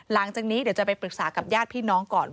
หลังจากนี้เดี๋ยวจะไปปรึกษากับญาติพี่น้องก่อน